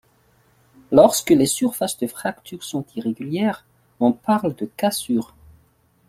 Lorsque les surfaces de fractures sont irrégulières, on parle de cassure.